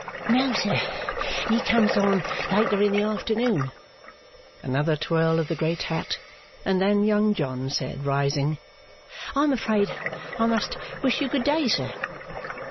'No, sir, he comes on later in the afternoon.' Another twirl of the great hat, and then Young John said, rising, 'I am afraid I must wish you good day, sir.